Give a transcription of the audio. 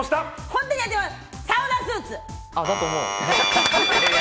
サウナスーツ。